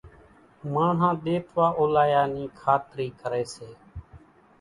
ماڻۿان ۮيتوا اولايا نِي کاتري ڪري سي